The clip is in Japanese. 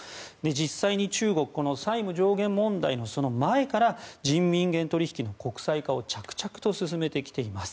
実際に中国債務上限問題の前から人民元取引の国際化を着々と進めてきています。